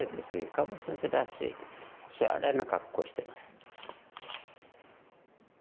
川端先生らしいおしゃれな格好してます。